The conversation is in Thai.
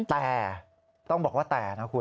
แต่ต้องบอกว่าแต่นะคุณ